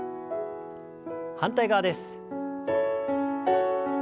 反対側です。